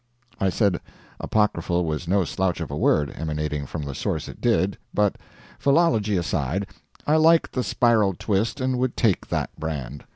I said apocryphal was no slouch of a word, emanating from the source it did, but, philology aside, I liked the spiral twist and would take that brand.